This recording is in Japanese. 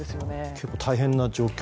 結構大変な状況？